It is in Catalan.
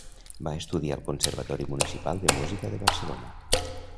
Va estudiar al Conservatori Municipal de Música de Barcelona.